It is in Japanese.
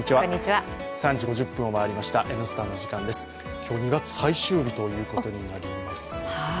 今日２月最終日ということになります。